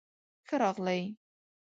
ښۀ راغلئ